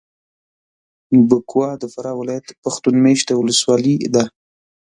بکوا د فراه ولایت پښتون مېشته ولسوالي ده.